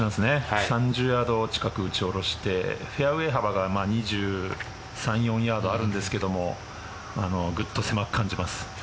１３０ヤード近く打ち下ろしてフェアウェイ幅が２３２４ヤードあるんですけどグッと狭く感じます。